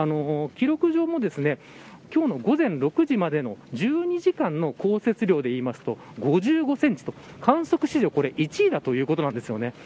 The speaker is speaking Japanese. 記録上も今日の午前６時までの１２時間の降雪量でいいますと５５センチと観測史上１位ということなんですよ。